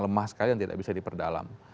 lemah sekali yang tidak bisa diperdalam